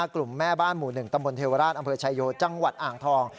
กลุ่มแม่บ้านหมู่๑ตำบลเทวราชอำเภอชายโยจังหวัดอ่างทอง